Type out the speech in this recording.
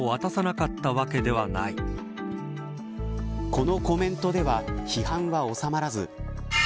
このコメントでは批判は収まらず。